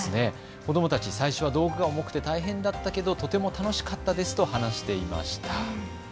子どもたち、最初は道具が重くて大変だったけどとても楽しかったですと話していました。